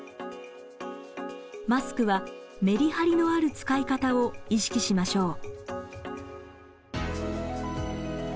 マスクはメリハリのある使い方を意識しましょう。